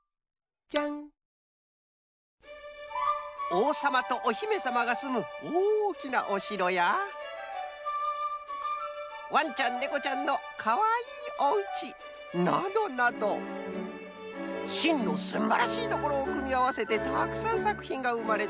おうさまとおひめさまがすむおおきなおしろやわんちゃんねこちゃんのかわいいおうちなどなどしんのすんばらしいところをくみあわせてたくさんさくひんがうまれたようです。